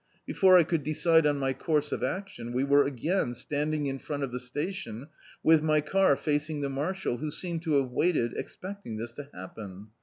Before I could decide on my course of action, we were again standing in front of the station, with my car facing the marshal, who seemed to have waited, ex pecting this to happen.